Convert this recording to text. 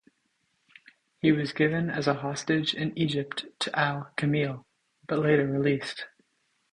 He was given as a hostage in Egypt to Al-Kamil but later released.